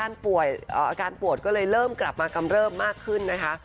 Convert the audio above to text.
อาการปวดก็เลยเริ่มกลับมากับเริ่มมากขึ้นนะคะ